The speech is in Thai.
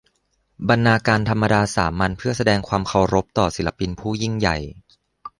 บรรณาการธรรมดาสามัญเพื่อแสดงความเคารพต่อศิลปินผู้ยิ่งใหญ่